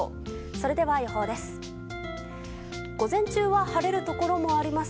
それでは予報です。